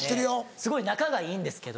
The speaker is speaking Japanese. すごい仲がいいんですけど。